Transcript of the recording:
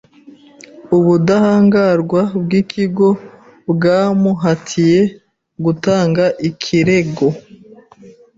Ubudahangarwa bwikigo bwamuhatiye gutanga ikirego.